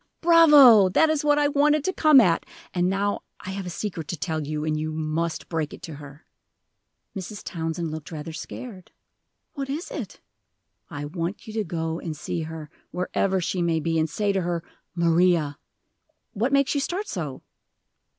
"Bravo! that is what I wanted to come at. And now I have a secret to tell you, and you must break it to her." Mrs. Townsend looked rather scared. "What is it?" "I want you to go and see her, wherever she may be, and say to her, 'Maria,' what makes you start so?"